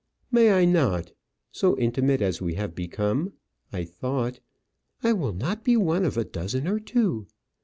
"May I not? So intimate as we have become, I thought " "I will not be one of a dozen or two."